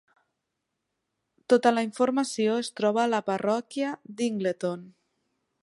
Tota la informació es troba a la parròquia d'Ingleton.